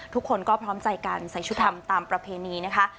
ทุกคนก็พร้อมใจกันใส่ชุดทำตามประเพณีนะคะ